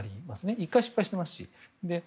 １回失敗してますし。